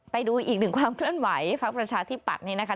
ไปดูอีกหนึ่งความเคลื่อนไหวพักประชาธิปัตย์นี่นะคะ